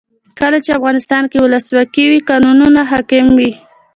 کله چې افغانستان کې ولسواکي وي قانون حاکم وي.